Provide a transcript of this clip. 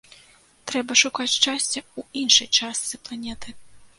Трэба шукаць шчасця ў іншай частцы планеты.